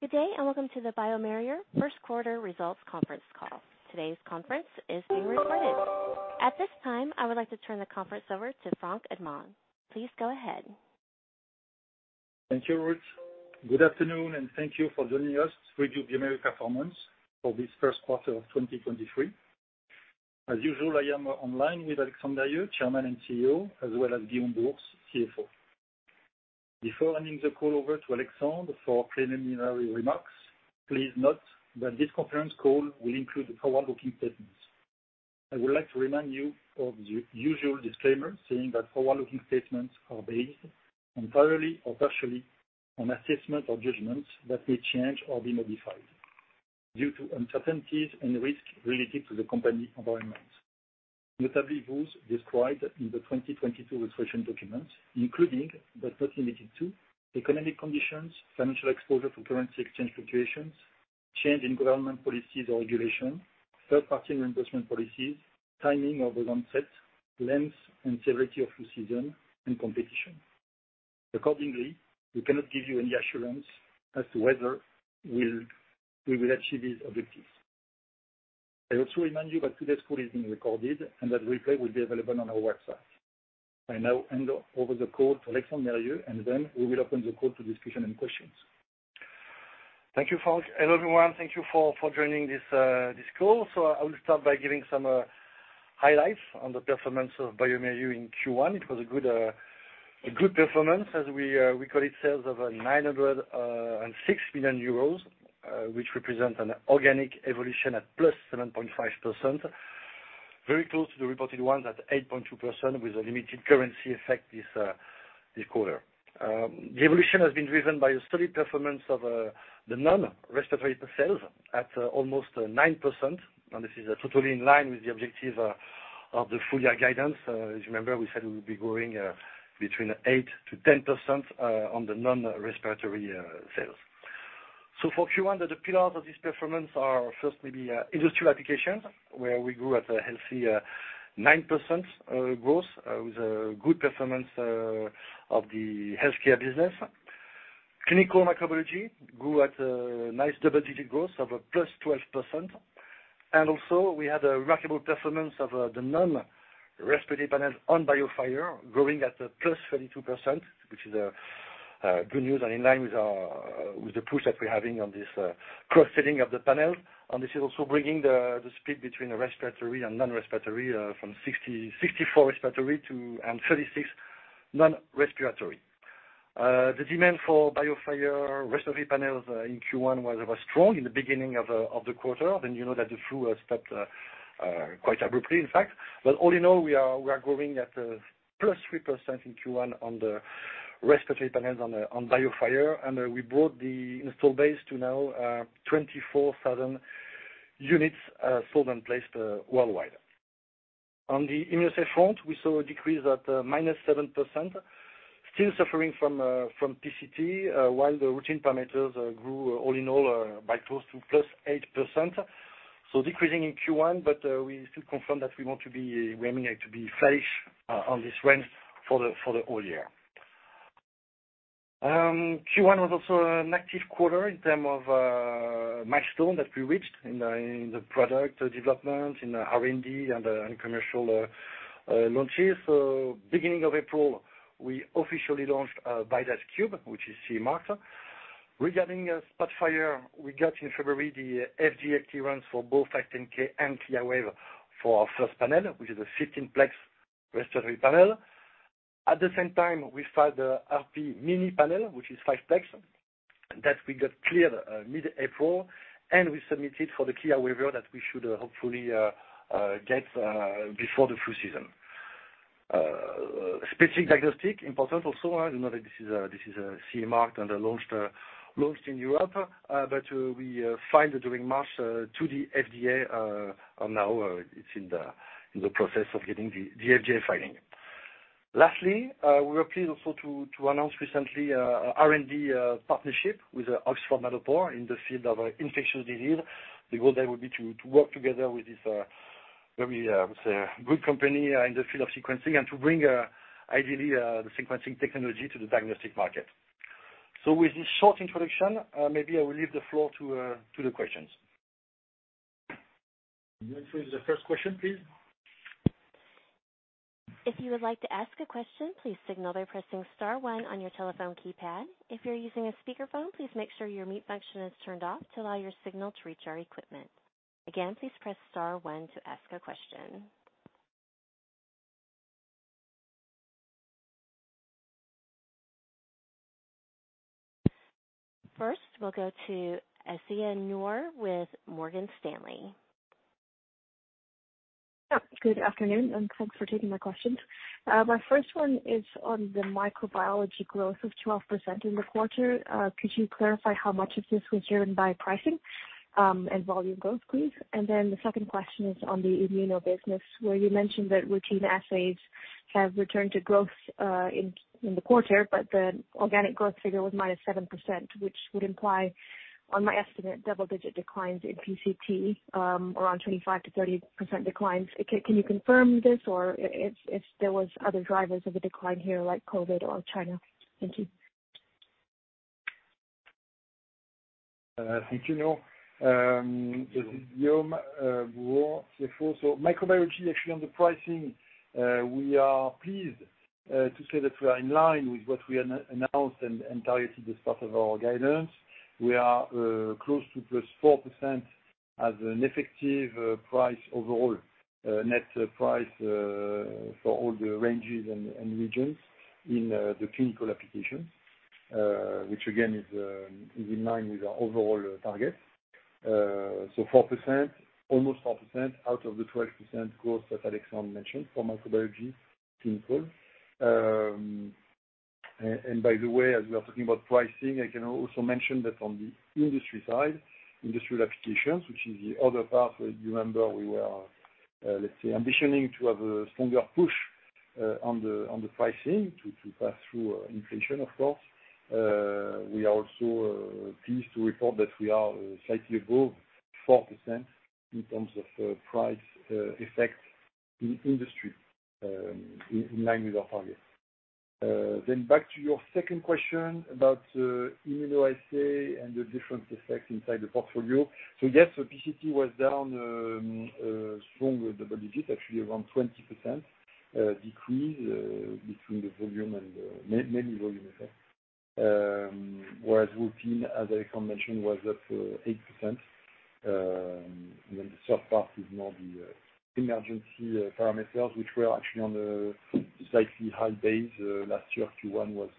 Good day, and welcome to the bioMérieux First Quarter Results Conference Call. Today's conference is being recorded. At this time, I would like to turn the conference over to Franck Admant. Please go ahead. Thank you, Ruth. Good afternoon. Thank you for joining us to review bioMérieux performance for this first quarter of 2023. As usual, I am online with Alexandre Mérieux, Chairman and CEO, as well as Guillaume Bouhours, CFO. Before handing the call over to Alexandre for preliminary remarks, please note that this conference call will include forward-looking statements. I would like to remind you of the usual disclaimer saying that forward-looking statements are based on entirely or partially on assessments or judgments that may change or be modified due to uncertainties and risks related to the company environment, notably those described in the 2022 registration documents, including, but not limited to, economic conditions, financial exposure to currency exchange fluctuations, change in government policies or regulation, third-party reimbursement policies, timing of the onset, length, and severity of flu season and competition. Accordingly, we cannot give you any assurance as to whether we will achieve these objectives. I also remind you that today's call is being recorded and that replay will be available on our website. I now hand over the call to Alexandre Mérieux, and then we will open the call to discussion and questions. Thank you, Franck. Hello, everyone. Thank you for joining this call. I will start by giving some highlights on the performance of bioMérieux in Q1. It was a good performance as we call it sales of 906 million euros, which represent an organic evolution at +7.5%. Very close to the reported ones at 8.2% with a limited currency effect this quarter. The evolution has been driven by a steady performance of the non-respiratory sales at almost 9%. This is totally in line with the objective of the full year guidance. As you remember, we said we'll be growing between 8%-10% on the non-respiratory sales. For Q1, the pillars of this performance are first maybe Industrial Applications, where we grew at a healthy 9% growth with a good performance of the Healthcare business. Clinical Microbiology grew at a nice double-digit growth of +12%. Also, we had a remarkable performance of the non-respiratory panels on BIOFIRE growing at +32%, which is good news and in line with the push that we're having on this cross-selling of the panel. This is also bringing the split between respiratory and non-respiratory from 60, 64 respiratory and 36 non-respiratory. The demand for BIOFIRE respiratory panels in Q1 was strong in the beginning of the quarter. You know that the flu has stopped quite abruptly, in fact. All in all, we are growing at +3% in Q1 on the respiratory panels on BIOFIRE. We brought the install base to now 24,000 units sold and placed worldwide. On the Immunoassay front, we saw a decrease at -7%, still suffering from PCT, while the routine parameters grew all in all by close to +8%. Decreasing in Q1, we still confirm that we emanate to be flattish on this range for the whole year. Q1 was also an active quarter in term of milestone that we reached in the product development, in R&D and in commercial launches. Beginning of April, we officially launched VIDAS KUBE, which is CE marked. Regarding SPOTFIRE, we got in February the FDA clearance for both 510(k) and CLIA-waived for our first panel, which is a 15-plex respiratory panel. At the same time, we filed the RP Mini Panel, which is 5-plex, that we got cleared mid-April, and we submitted for the CLIA waiver that we should hopefully get before the flu season. Specific diagnostic, important also, you know that this is CE marked and launched in Europe, but we filed during March to the FDA, and now it's in the process of getting the FDA filing. Lastly, we were pleased also to announce recently a R&D partnership with Oxford Nanopore in the field of infectious disease. The goal there will be to work together with this very say, good company in the field of sequencing and to bring ideally the sequencing technology to the diagnostic market. With this short introduction, maybe I will leave the floor to the questions. We'll take the first question, please. If you would like to ask a question, please signal by pressing star one on your telephone keypad. If you're using a speakerphone, please make sure your mute function is turned off to allow your signal to reach our equipment. Again, please press star one to ask a question. First, we'll go to Aisyah Noor with Morgan Stanley. Yeah, good afternoon, and thanks for taking my questions. My first one is on the microbiology growth of 12% in the quarter. Could you clarify how much of this was driven by pricing, and volume growth, please? The second question is on the immuno business, where you mentioned that routine assays have returned to growth, in the quarter, but the organic growth figure was -7%, which would imply on my estimate, double-digit declines in PCT, around 25%-30% declines. Can you confirm this or if there was other drivers of the decline here, like COVID or China? Thank you. Thank you. This is Guillaume Bouhours, CFO. Microbiology, actually, on the pricing, we are pleased to say that we are in line with what we announced and targeted as part of our guidance. We are close to +4% as an effective price overall, net price, for all the ranges and regions in the Clinical Application, which again is in line with our overall target. 4%, almost 4% out of the 12% growth that Alexandre mentioned for microbiology clinical. By the way, as we are talking about pricing, I can also mention that on the industry side, Industrial Applications, which is the other part where you remember we were, let's say, ambitioning to have a stronger push on the pricing to pass through inflation, of course. We are also pleased to report that we are slightly above 4% in terms of price effect in industry, in line with our target. Back to your second question about immuno assay and the different effects inside the portfolio. Yes, PCT was down a strong double digit, actually around 20%, decrease between the volume and mainly volume effect. Whereas routine, as Alexandre mentioned, was up 8%. The third part is more the emergency parameters, which were actually on a slightly high base. Last year, Q1 was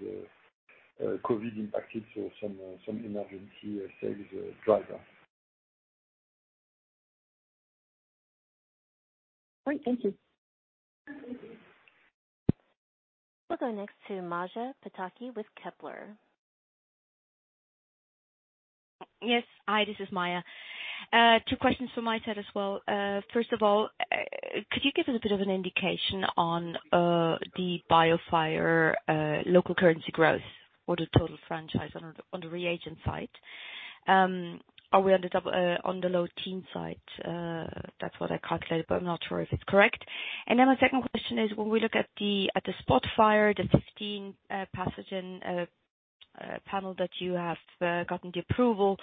COVID impacted, some emergency sales driver. Great. Thank you. We'll go next to Maja Pataki with Kepler. Yes. Hi, this is Maja. 2 questions from my side as well. First of all, could you give us a bit of an indication on the BIOFIRE local currency growth or the total franchise on the reagent side? Are we on the double, on the low teen side? That's what I calculated, but I'm not sure if it's correct. My second question is when we look at the SPOTFIRE, the 15 pathogen panel that you have gotten the approval,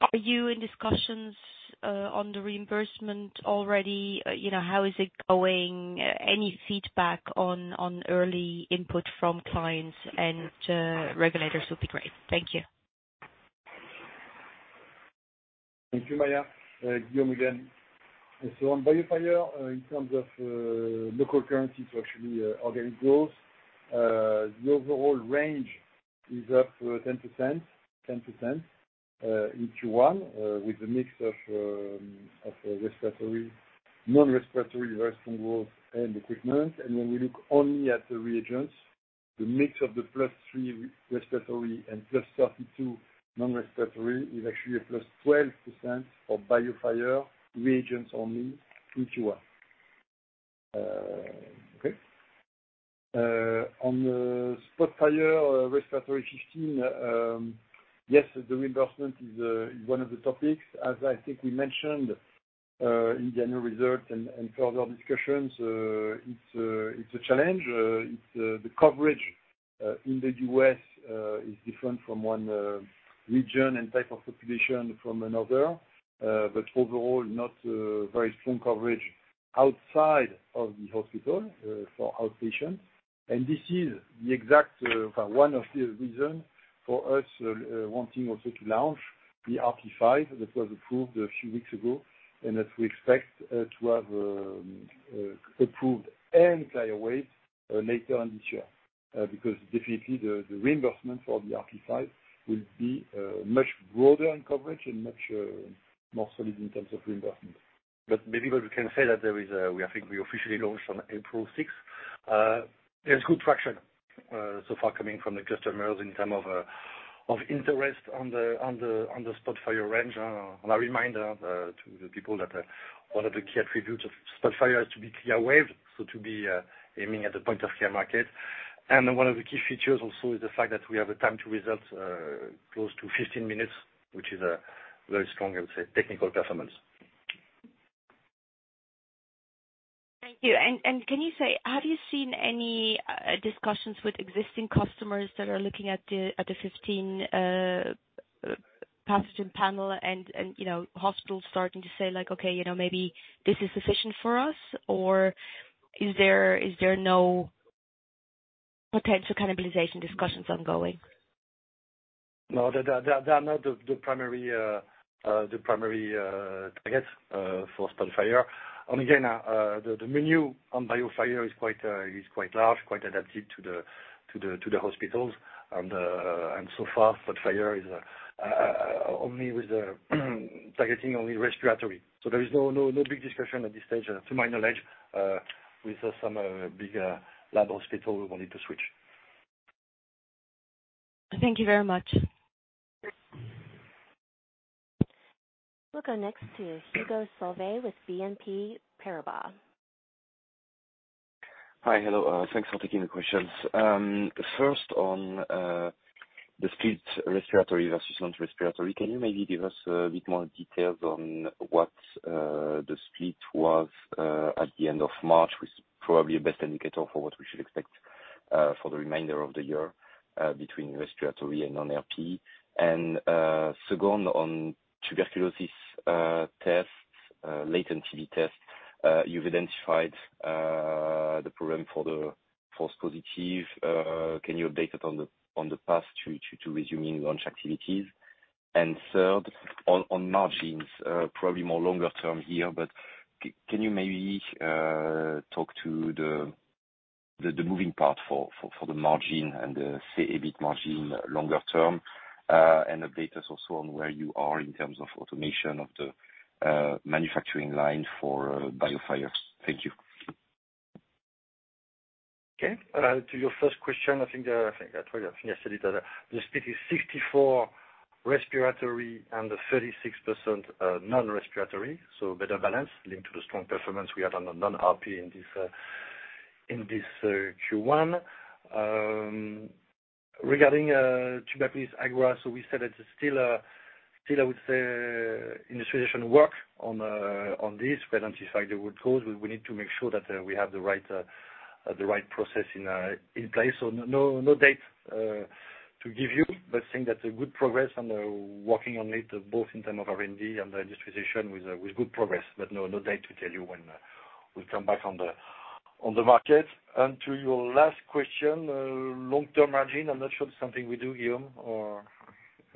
are you in discussions on the reimbursement already? You know, how is it going? Any feedback on early input from clients and regulators would be great. Thank you. Thank you, Maja. Guillaume again. On BIOFIRE, in terms of local currency to actually organic growth, the overall range is up 10% in Q1, with a mix of respiratory, non-respiratory, very strong growth and equipment. When we look only at the reagents, the mix of the +3 respiratory and +32 non-respiratory is actually a +12% for BIOFIRE reagents only in Q1. Okay. On the SPOTFIRE Respiratory 15, yes, the reimbursement is one of the topics. As I think we mentioned in the annual results and further discussions, it's a challenge. It's the coverage in the U.S. is different from one region and type of population from another. Overall, not very strong coverage outside of the hospital for outpatients. This is the exact one of the reason for us wanting also to launch the RP 5 that was approved a few weeks ago, and that we expect to have approved and CLIA-waived later on this year. Definitely the reimbursement for the RP 5 will be much broader in coverage and much more solid in terms of reimbursement. Maybe what we can say that there is, I think we officially launched on April sixth. There's good traction so far coming from the customers in term of interest on the SPOTFIRE range. A reminder to the people that one of the key attributes of SPOTFIRE is to be CLIA-waived, so to be aiming at the point of care market. One of the key features also is the fact that we have a time to results close to 15 minutes, which is a very strong, I would say, technical performance. Thank you. Can you say, have you seen any discussions with existing customers that are looking at the 15 pathogen panel, you know, hospitals starting to say like, okay, you know, maybe this is sufficient for us or is there no potential cannibalization discussions ongoing? No. They are not the primary targets for SPOTFIRE. Again, the menu on BIOFIRE is quite large, quite adapted to the hospitals. So far, SPOTFIRE is only with the targeting only respiratory. There is no big discussion at this stage, to my knowledge, with some big lab hospital who wanted to switch. Thank you very much. We'll go next to Hugo Solvet with BNP Paribas. Hi. Hello. Thanks for taking the questions. First on the split respiratory versus non-respiratory, can you maybe give us a bit more details on what the split was at the end of March? Was probably a best indicator for what we should expect for the remainder of the year between respiratory and non-RP. Second, on tuberculosis tests, latent TB tests. You've identified the problem for the false positive. Can you update us on the path to resuming launch activities? Third, on margins, probably more longer term here, but can you maybe talk to the moving part for the margin and the, say, a bit margin longer term? Update us also on where you are in terms of automation of the manufacturing line for BIOFIRE. Thank you. Okay. to your first question, I think I told you yesterday that the split is 64 respiratory and 36% non-respiratory. Better balance linked to the strong performance we had on the non-RP in this in this Q1. Regarding tuberculosis, IGRA. We said it's still, I would say, industrialization work on this. We identified the root cause. We need to make sure that we have the right the right process in place. No, no date to give you, but I think that's a good progress on the working on it, both in term of R&D and the industrialization with good progress. No, no date to tell you when we'll come back on the market. To your last question, long-term margin. I'm not sure it's something we do, Guillaume, or...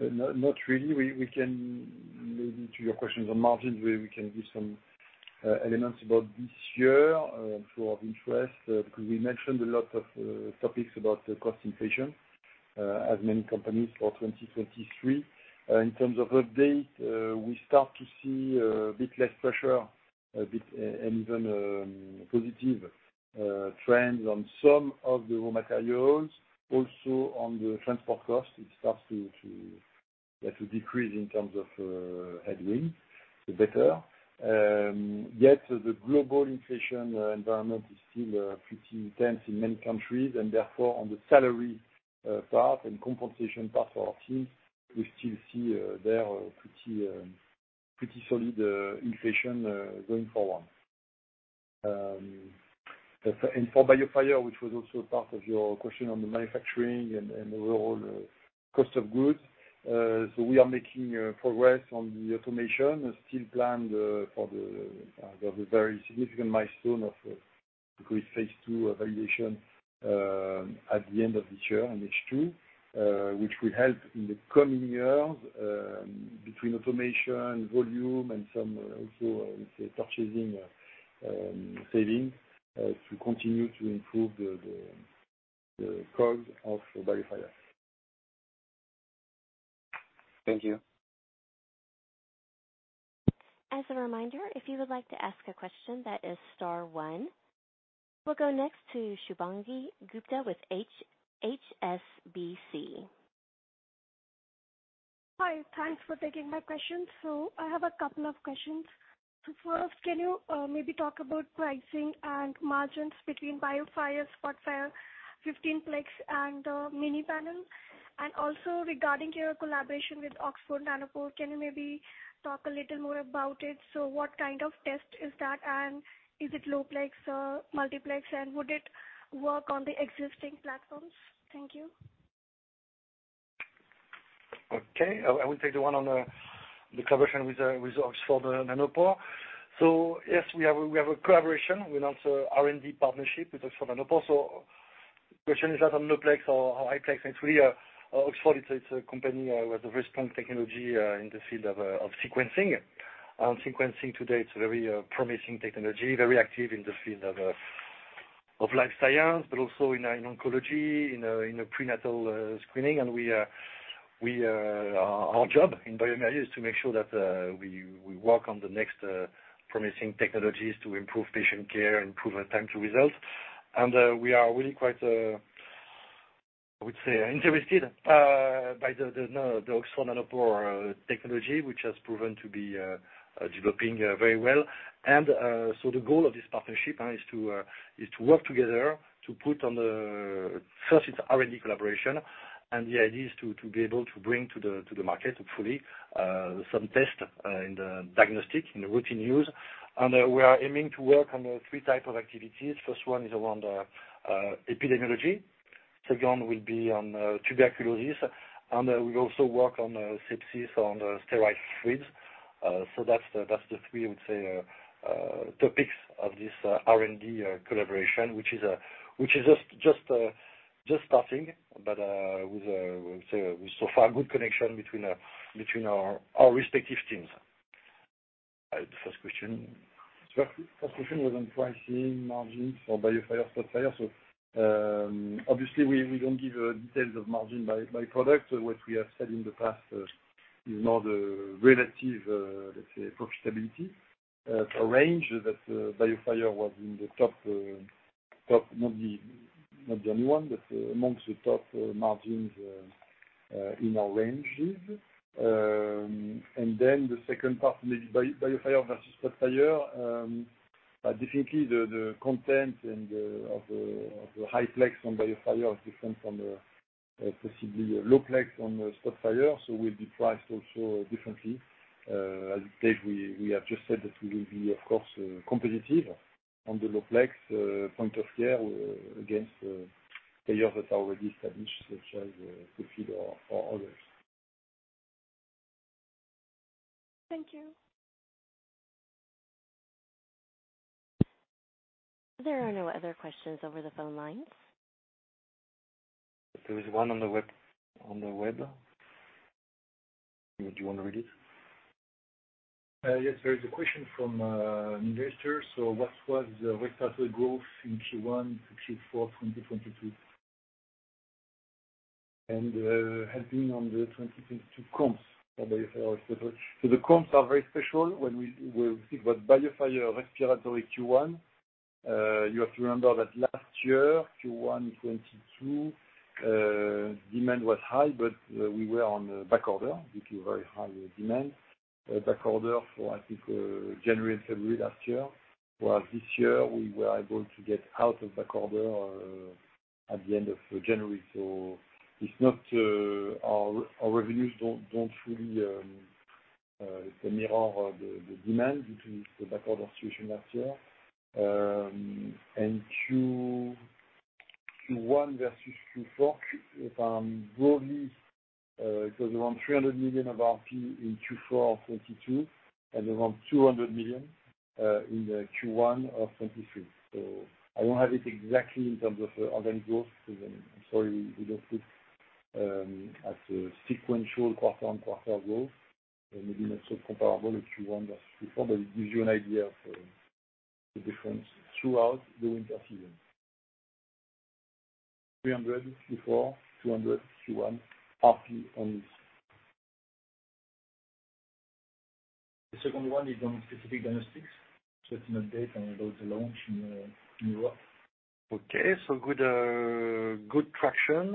Not really. We can maybe to your questions on margins, we can give some elements about this year for of interest, because we mentioned a lot of topics about the cost inflation as many companies for 2023. In terms of update, we start to see a bit less pressure, a bit and even positive trends on some of the raw materials. Also on the transport costs, it starts to decrease in terms of headwind, the better. Yet the global inflation environment is still pretty intense in many countries. Therefore, on the salary part and compensation part for our teams, we still see there a pretty solid inflation going forward. For BIOFIRE, which was also part of your question on the manufacturing and the overall cost of goods. We are making progress on the automation. Still planned for the very significant milestone of, I think we face two evaluation at the end of this year in H2, which will help in the coming years, between automation, volume and some also, let's say, purchasing savings, to continue to improve the cost of BIOFIRE. Thank you. As a reminder, if you would like to ask a question, that is star one. We'll go next to Shubhangi Gupta with HSBC. Hi. Thanks for taking my question. I have a couple of questions. First, can you maybe talk about pricing and margins between BIOFIRE's SPOTFIRE 15-plex and the Mini Panel? Also regarding your collaboration with Oxford Nanopore, can you maybe talk a little more about it? What kind of test is that, and is it low plex, multiplex, and would it work on the existing platforms? Thank you. Okay. I will take the one on the collaboration with Oxford Nanopore. Yes, we have a collaboration, we announce a R&D partnership with Oxford Nanopore. The question is that on low plex or high plex, it's really Oxford, it's a company with a very strong technology in the field of sequencing. Sequencing today, it's very promising technology, very active in the field of life science, but also in oncology, in a prenatal screening. Our job in bioMérieux is to make sure that we work on the next promising technologies to improve patient care, improve our time to results. We are really quite, I would say interested, by the Oxford Nanopore technology, which has proven to be developing very well. So the goal of this partnership is to work together to put on the first R&D collaboration. The idea is to be able to bring to the market, hopefully, some test in the diagnostic, in the routine use. We are aiming to work on three type of activities. First one is around epidemiology. Second will be on tuberculosis. We also work on sepsis on the sterile fluids. That's the three I would say, topics of this R&D collaboration, which is just starting. With, I would say with so far good connection between our respective teams. The first question. First question was on pricing margins for BIOFIRE SPOTFIRE. Obviously we don't give details of margin by product. What we have said in the past is not a relative let's say profitability range, that BIOFIRE was in the top. Not the only one, but amongst the top margins in our ranges. The second part, maybe BIOFIRE versus SPOTFIRE, definitely the content and of the high plex on BIOFIRE is different from the possibly low plex on the SPOTFIRE, so will be priced also differently. As Dave, we have just said that we will be, of course, competitive on the low plex point of care against players that are already established such as Quidel or others. Thank you. There are no other questions over the phone lines. There is one on the web. Do you wanna read it? Yes. There is a question from an investor. What was the respiratory growth in Q1 to Q4 2022? Helping on the 2022 comps for BIOFIRE respiratory. The comps are very special when we think about BIOFIRE respiratory Q1. You have to remember that last year, Q1 2022, demand was high, but we were on backorder due to very high demand. Backorder for I think January and February last year. While this year, we were able to get out of backorder at the end of January. It's not our revenues don't fully mirror the demand due to the backorder situation last year. Q1 versus Q4, broadly, it was around 300 million RP in Q4 of 2022, and around 200 million RP in the Q1 of 2023. I don't have it exactly in terms of organic growth. I'm sorry, we don't put as a sequential quarter-on-quarter growth, and maybe not so comparable to Q1 versus Q4, but it gives you an idea of the difference throughout the winter season. 300 Q4, 200 Q1, RP only. The second one is on specific diagnostics. It's an update and about the launch in Europe. Good traction,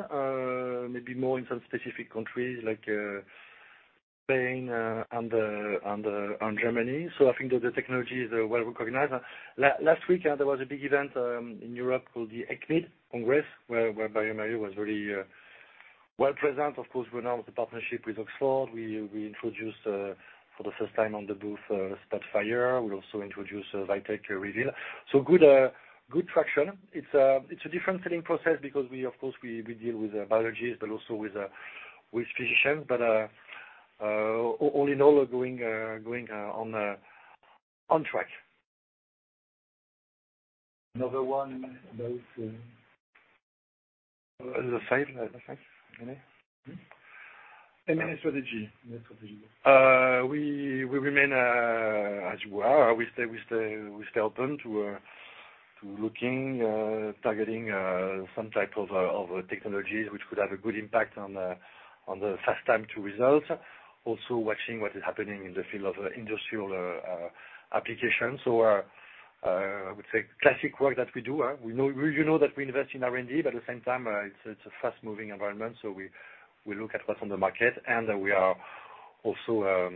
maybe more in some specific countries like Spain and Germany. I think that the technology is well-recognized. Last week, there was a big event in Europe called the ESCMID Congress, where bioMérieux was very well-present. Of course, we announced the partnership with Oxford. We introduced for the first time on the booth, SPOTFIRE. We also introduced VITEK REVEAL. Good traction. It's a different selling process because we of course deal with biologists, but also with physicians. All in all, we're going on track. Another one about the same M&A strategy. We remain as we are. We stay open to looking, targeting some type of technologies which could have a good impact on the first time to result. Also watching what is happening in the field of Industrial Applications. I would say classic work that we do, you know that we invest in R&D, but at the same time, it's a fast-moving environment, so we look at what's on the market, and we are also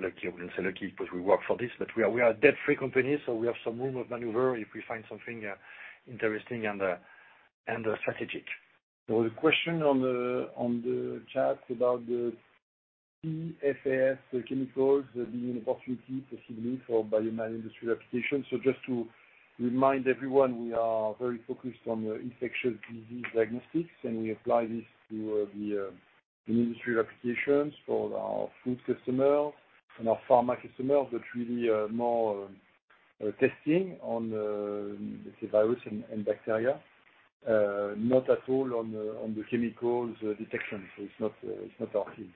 lucky. I wouldn't say lucky because we work for this, but we are a debt-free company, so we have some room of maneuver if we find something interesting and strategic. There was a question on the chat about the PFAS chemicals being an opportunity possibly for bioMérieux industry application. Just to remind everyone, we are very focused on infectious disease diagnostics, and we apply this to the industry applications for our food customers and our pharma customers, but really more testing on let's say virus and bacteria. Not at all on the chemicals detection. It's not our field.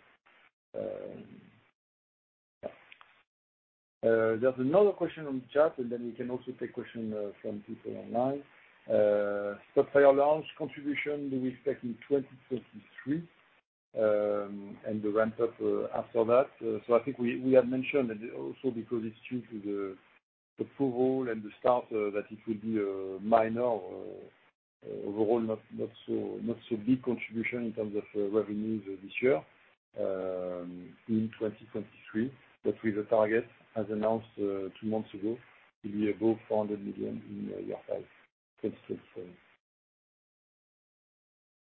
There's another question on chat, and then we can also take question from people online. SPOTFIRE launch contribution, do we expect in 2023, and the ramp-up after that? I think we have mentioned and also because it's due to the approval and the start, that it will be a minor overall, not so big contribution in terms of revenues this year in 2023. With the target, as announced, 2 months ago, it will be above EUR 400 million in year 5.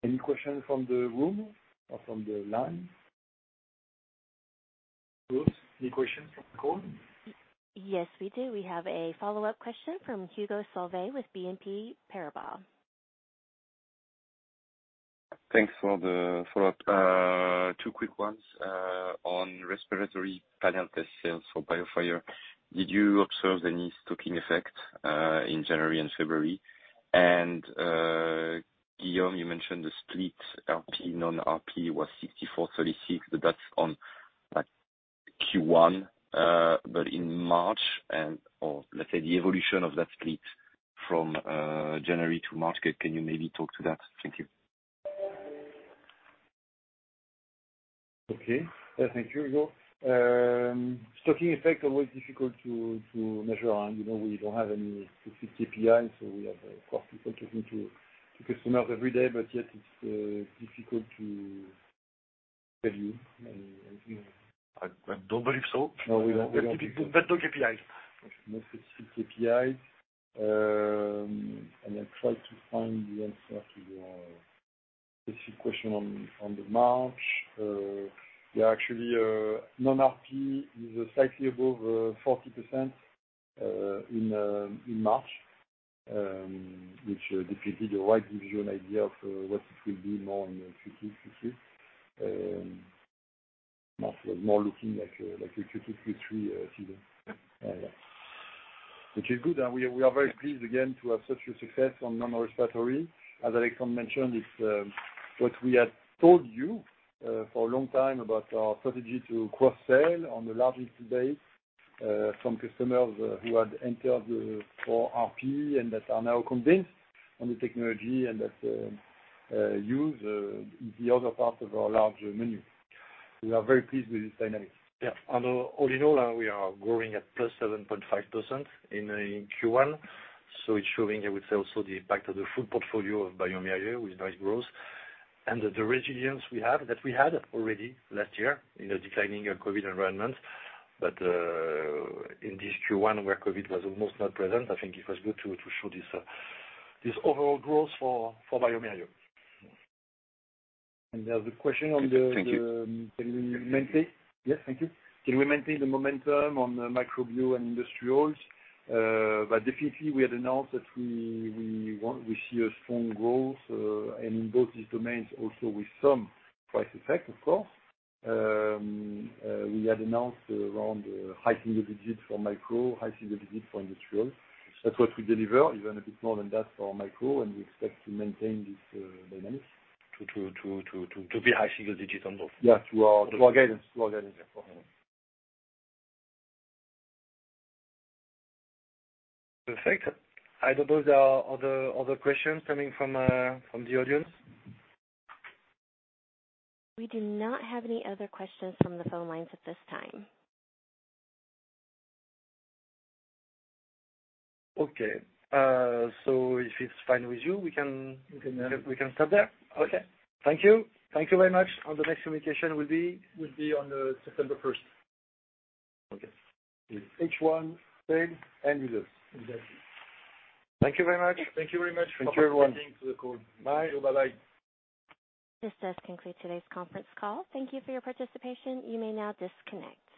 Any questions from the room or from the line? Any question from the call? Yes, we do. We have a follow-up question from Hugo Solvet with BNP Paribas. Thanks for the follow-up. Two quick ones on respiratory panel test sales for BIOFIRE. Did you observe any stocking effect in January and February? Guillaume, you mentioned the split RP, non-RP was 64/36, but that's on like Q1, but in March or let's say the evolution of that split from January to March. Can you maybe talk to that? Thank you. Okay. Yeah, thank you, Hugo. Stocking effect always difficult to measure. You know, we don't have any specific KPI, so we have, of course, people talking to customers every day, but yet it's difficult to tell you. You know. I don't believe so. No, we don't- No KPIs. No specific KPI. I try to find the answer to your specific question on the March. Yeah, actually, non-RP is slightly above 40% in March. Which definitely the right gives you an idea of what it will be more in the Q2, Q3. More looking like a Q2, Q3 season. Yeah. Which is good. We are very pleased again to have such a success on non-respiratory. As Alexandre mentioned, it's what we had told you for a long time about our strategy to cross-sell on the largest base from customers who had entered for RP and that are now convinced on the technology and that use the other part of our larger menu. We are very pleased with this dynamic. Yeah. All in all, we are growing at +7.5% in Q1, so it's showing, I would say also the impact of the full portfolio of bioMérieux with nice growth. The, the resilience we have, that we had already last year in a declining COVID environment. In this Q1 where COVID was almost not present, I think it was good to show this overall growth for bioMérieux. the other question on the. Thank you. Can we maintain... Yes, thank you. Can we maintain the momentum on the microbio and industrials? Definitely we had announced that we see a strong growth, and in both these domains also with some price effect, of course. We had announced around high single digits for micro, high single digits for industrial. That's what we deliver, even a bit more than that for micro, and we expect to maintain this dynamics. To be high single digits on both. Yeah, to our guidance. To our guidance, yeah. Perfect. I don't know if there are other questions coming from the audience. We do not have any other questions from the phone lines at this time. Okay. if it's fine with you, we. We can end. We can stop there. Okay. Thank you. Thank you very much. The next communication will be? Will be on, September first. Okay. With H1, sales, and users. Exactly. Thank you very much. Thank you very much. Thank you, everyone. For connecting to the call. Bye. Bye-bye. This does conclude today's conference call. Thank you for your participation. You may now disconnect.